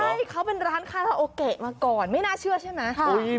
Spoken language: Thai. ใช่เขาเป็นร้านคาราโอเกะมาก่อนไม่น่าเชื่อใช่ไหม